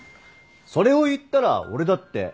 それを言ったら俺だって。